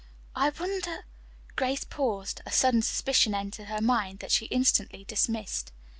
"I wonder " Grace paused. A sudden suspicion entered her mind, that she instantly dismissed.